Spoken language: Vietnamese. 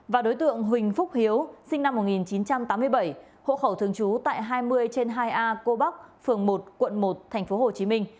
và đối tượng huỳnh phúc hiếu sinh năm một nghìn chín trăm tám mươi bảy hộ khẩu thương chú tại hai mươi trên hai a cô bắc phường một quận một tp hồ chí minh